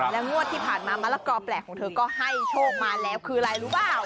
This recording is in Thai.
และงวดที่ผ่านมามะละกอแปลกของเธอก็ให้โชคมาแล้วคืออะไรรู้เปล่า